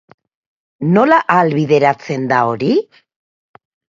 Nola ahalbidetzen da hori?